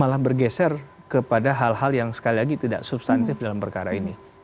malah bergeser kepada hal hal yang sekali lagi tidak substantif dalam perkara ini